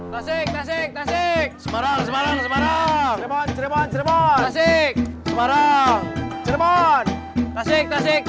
tasik tasik tasik